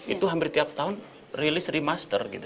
itu hampir tiap tahun rilis remaster gitu